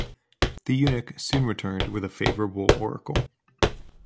The eunuch soon returned with a favorable oracle.